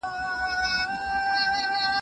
ایا استاد د شاګرد پوښتنې جدي نیسي؟